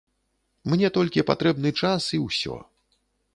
Мне толькі патрэбны час і ўсё!